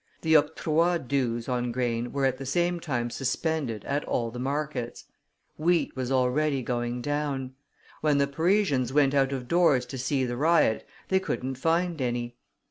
The octroi dues on grain were at the same time suspended at all the markets; wheat was already going down; when the Parisians went out of doors to see the riot, they couldn't find any.